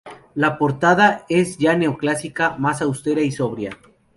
La portada es ya neoclásica, más austera y sobria.